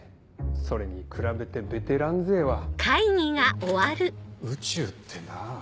それに比べてベテラン勢は。宇宙ってなぁ？